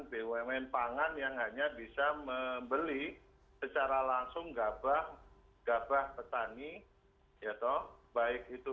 bumn pangan yang hanya bisa membeli secara langsung gabah gabah petani ya toh baik itu